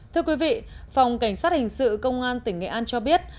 thưa quý vị phòng cảnh sát hình sự công an tỉnh nghệ an cho biết